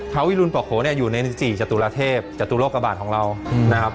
ท้าวิรุณปกโขอยู่ในศรีจตุลเทพจตุโลกบาลของเรานะครับ